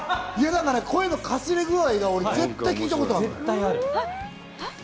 声のかすれ具合が、俺、絶対聞いたことある。